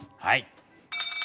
はい。